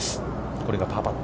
これがパーパット。